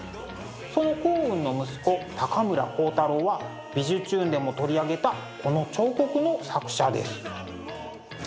その光雲の息子高村光太郎は「びじゅチューン！」でも取り上げたこの彫刻の作者です。